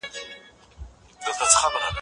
زه له سهاره کتابتوننۍ سره وخت تېرووم.